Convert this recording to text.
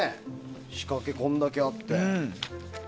仕掛けがこんだけあって。